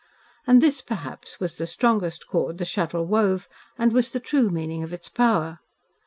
And this, perhaps, was the strongest cord the Shuttle wove and was the true meaning of its power.